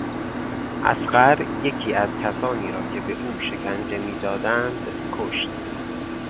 اصغر یکی از کسانی را که به او شکنجه میدادند کشت.